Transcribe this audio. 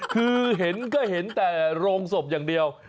คือเห็นก็เห็นแต่โรงศพอย่างเดียว